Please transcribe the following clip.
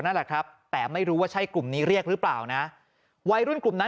นั่นแหละครับแต่ไม่รู้ว่าใช่กลุ่มนี้เรียกหรือเปล่านะวัยรุ่นกลุ่มนั้น